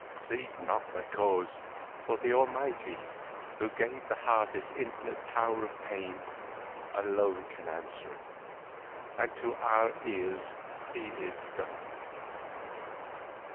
Seek not the cause, for the Almighty Who gave the heart its infinite power of pain alone can answer, and to our ears He is dumb.